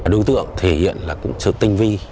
đối tượng thể hiện là sự tinh vi